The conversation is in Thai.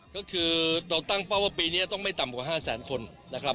ก็คือเราตั้งเป้าว่าปีนี้ต้องไม่ต่ำกว่า๕แสนคนนะครับ